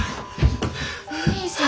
お義兄さん。